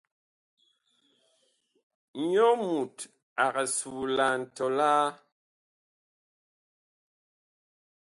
Nyɔ mut ag suulan tɔlaa.